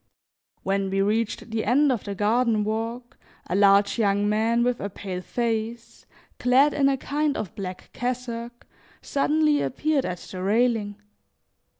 When we reached the end of the garden walk, a large young man with a pale face, clad in a kind of black cassock, suddenly appeared at the railing.